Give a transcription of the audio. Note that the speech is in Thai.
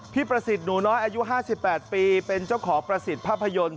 ประสิทธิ์หนูน้อยอายุ๕๘ปีเป็นเจ้าของประสิทธิภาพยนตร์